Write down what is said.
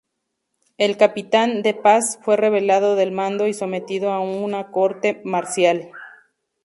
El Capitán De Pass fue relevado del mando y sometido a una Corte marcial.